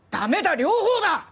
両方だ！